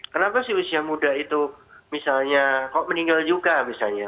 kenapa sih usia muda itu misalnya kok meninggal juga misalnya